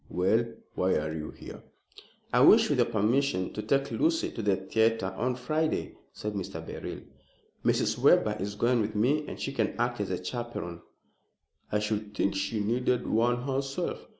"Well, why are you here?" "I wish, with your permission, to take Lucy to the theatre on Friday," said Mr. Beryl. "Mrs. Webber is going with me, and she can act as chaperon." "I should think she needed one herself.